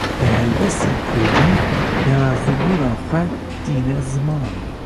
Bi helbestên Kurdî, nerazîbûna xwe tîne ziman